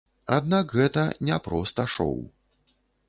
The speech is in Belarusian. Аднак гэта не проста шоу.